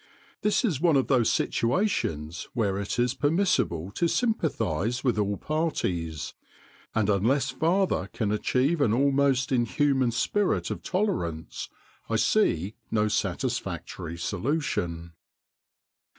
This is one of those situations where it is permissible to sym pathise with all parties, and unless father can achieve an almost inhuman spirit of tolerance I see no satisfactory solution.